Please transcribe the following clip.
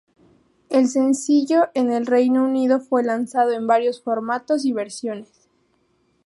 El sencillo en el Reino Unido fue lanzado en varios formatos y versiones.